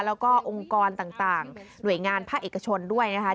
แล้วก็องค์กรต่างหน่วยงานภาคเอกชนด้วยนะคะ